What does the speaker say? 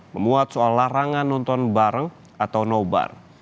memuat soal larangan nonton bareng atau nobar